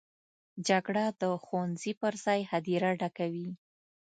جګړه د ښوونځي پر ځای هدیره ډکوي